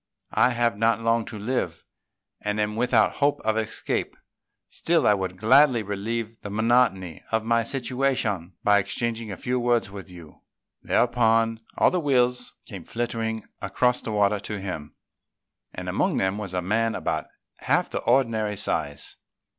I have not long to live, and am without hope of escape; still I would gladly relieve the monotony of my situation by exchanging a few words with you." Thereupon, all the Wills came flitting across the water to him; and among them was a man of about half the ordinary size.